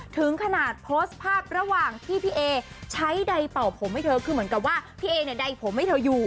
ถึงขนาดโพสต์ภาพระหว่างที่พี่เอใช้ใดเป่าผมให้เธอคือเหมือนกับว่าพี่เอเนี่ยใดผมให้เธออยู่